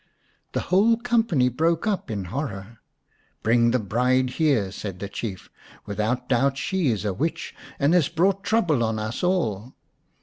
The whole company broke up in horror. "Bring the bride here," said the Chief; "with out doubt she is a witch, and has brought trouble on us all."